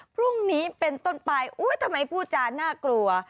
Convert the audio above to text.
พรุ่งนี้เป็นต้นไปทำไมพูดจาน่ากลัว